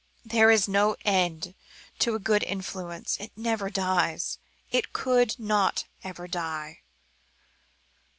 "There is no end to a good influence; it never dies; it could not ever die.